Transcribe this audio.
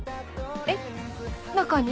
えっ中に？